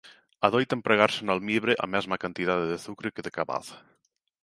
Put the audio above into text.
Adoita empregarse no almibre a mesma cantidade de azucre que de cabaza.